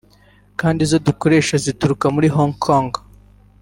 kandi izo dukoresha zituruka muri Hong Kong